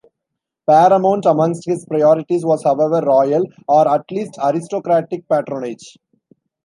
Paramount amongst his priorities was however royal, or at least aristocratic patronage.